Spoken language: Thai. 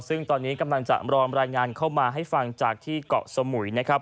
ซึ่งตอนนี้กำลังจะรอมรายงานเข้ามาให้ฟังจากที่เกาะสมุยนะครับ